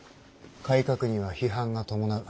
改革には批判が伴う。